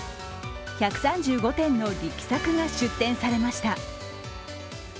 １３５点の力作が出展されました。